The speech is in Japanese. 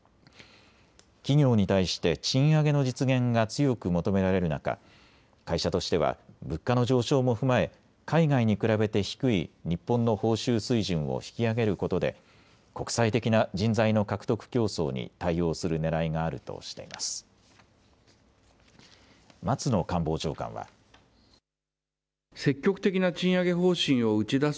企業に対して賃上げの実現が強く求められる中、会社としては物価の上昇も踏まえ海外に比べて低い日本の報酬水準を引き上げることで国際的な人材の獲得競争に対応するねらいがあるとしています。